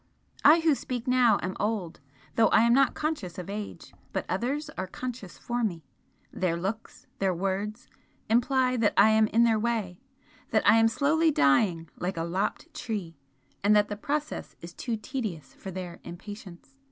I who speak now am old, though I am not conscious of age but others are conscious for me, their looks, their words, imply that I am in their way that I am slowly dying like a lopped tree and that the process is too tedious for their impatience.